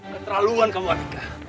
keterlaluan kamu satika